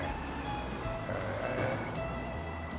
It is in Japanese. へえ。